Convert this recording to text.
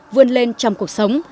vươn lên trong cuộc sống